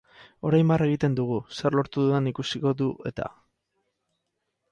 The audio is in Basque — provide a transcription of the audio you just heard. Orain barre egiten dugu, zer lortu dudan ikusi du eta.